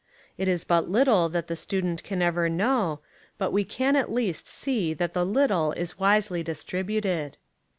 It is but little that the student can ever know, but we can at least see that the little is wisely distributed.